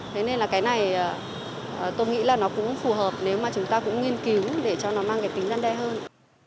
thế nên là cái này tôi nghĩ là nó cũng phù hợp nếu mà chúng ta cũng nghiên cứu để cho nó mang cái tính gian đe hơn